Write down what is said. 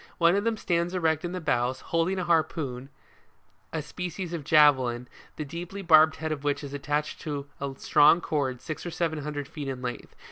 One of them stands erect in the bows, holding a harpoon, a species of javelin, the deeply barbed head of which is attached to a strong cord, six or seven hundred feet in length.